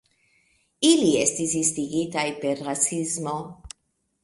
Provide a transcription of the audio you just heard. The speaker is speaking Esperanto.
Ili estis instigitaj per rasismo.